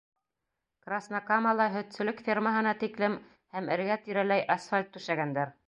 Краснокамала һөтсөлөк фермаһына тиклем һәм эргә-тирәләй асфальт түшәгәндәр.